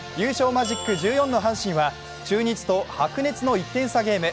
マジック１４の阪神は中日と１点差ゲーム。